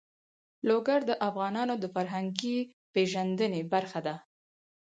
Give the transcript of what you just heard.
لوگر د افغانانو د فرهنګي پیژندنې برخه ده.